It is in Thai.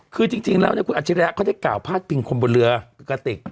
คือจริงแล้วคุณอัจฉริยะเขาได้กล่าวพาดพิงคนบนเรือกระติก